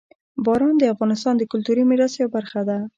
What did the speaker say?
باران د افغانستان د کلتوري میراث یوه برخه ده.